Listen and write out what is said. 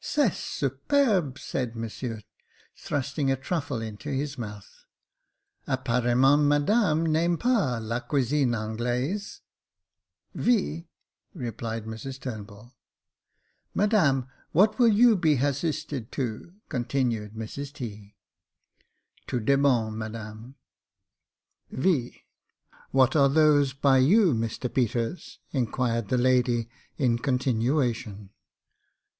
" C'est superbe !" said Monsieur, thrusting a truffle into his mouth. " Apparemment, Madame n'aime pas la cuisine Anglaise ?"*' F>," replied Mrs Turnbull. " Madame, what will you be /?>assisted to ?" continued Mrs T. " Tout de bon, Madame." «< Ye; what are those by you, Mr Peters ?" inquired the lady in continuation.